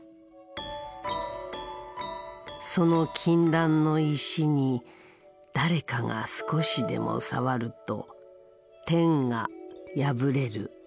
その禁断の石に誰かが少しでも触ると天が破れる。